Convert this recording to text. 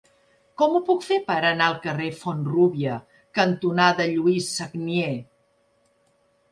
Com ho puc fer per anar al carrer Font-rúbia cantonada Lluís Sagnier?